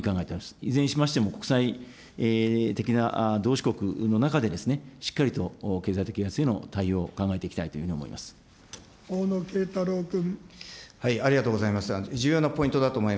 いずれにしましても、国際的な同志国の中で、しっかりと経済的威圧への対応を考えていきたいというふうに思い